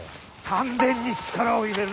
丹田に力を入れるんだ。